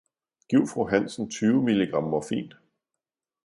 Giv fru Hansen tyve milligram morfin